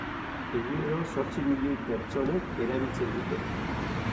Egunero zortzi milioi pertsonek erabiltzen dute.